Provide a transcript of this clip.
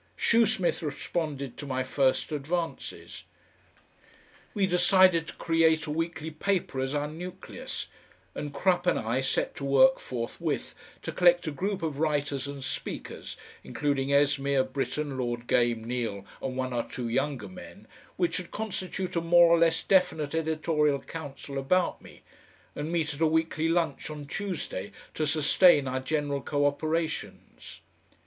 Shoesmith responded to my first advances. We decided to create a weekly paper as our nucleus, and Crupp and I set to work forthwith to collect a group of writers and speakers, including Esmeer, Britten, Lord Gane, Neal, and one or two younger men, which should constitute a more or less definite editorial council about me, and meet at a weekly lunch on Tuesday to sustain our general co operations.